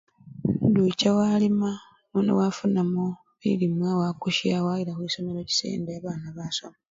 indi ucha walima nono wafunamo bilimwa wakusha wayila khwisomelo chisende babana basoma